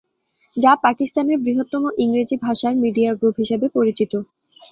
যা পাকিস্তানের বৃহত্তম ইংরেজি ভাষার মিডিয়া গ্রুপ হিসেবে পরিচিত।